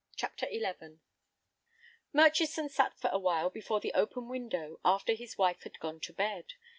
CHAPTER XI Murchison sat for a while before the open window after his wife had gone to bed.